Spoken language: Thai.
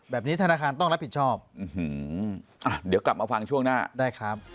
ธนาคารต้องรับผิดชอบอ่ะเดี๋ยวกลับมาฟังช่วงหน้าได้ครับ